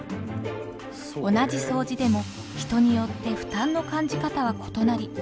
同じ掃除でも人によって負担の感じ方は異なり